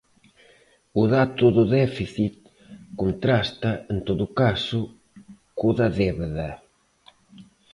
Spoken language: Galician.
O dato do déficit contrasta, en todo caso, co da débeda.